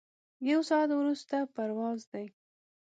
یو ساعت وروسته پرواز دی.